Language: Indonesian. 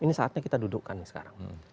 ini saatnya kita dudukkan nih sekarang